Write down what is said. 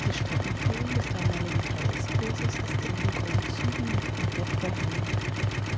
Die Streckenführung des damaligen Dreieckskurses ist in den Grundzügen noch komplett vorhanden.